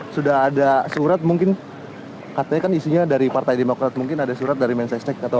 sudah ada surat mungkin katanya kan isinya dari partai demokrat mungkin ada surat dari mensesnek atau